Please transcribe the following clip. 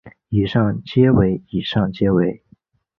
以上皆为以上皆为